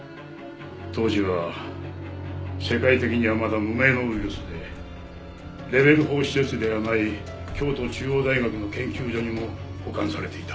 当時は世界的にはまだ無名のウイルスでレベル４施設ではない京都中央大学の研究所にも保管されていた。